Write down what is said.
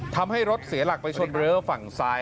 ทำให้รถเสียหลักไปโซดเหล่าฝั่งซ้าย